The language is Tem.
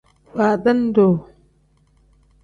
Faadini duu.